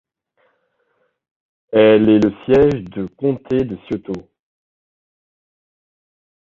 Elle est le siège du comté de Scioto.